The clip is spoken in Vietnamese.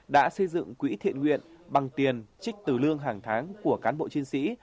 đã xây dựng quỹ thiện nguyện bằng tiền trích từ lương hàng tháng của cán bộ chiến sĩ